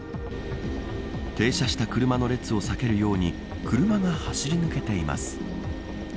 停車した車の列を避けるように車が走り抜けています。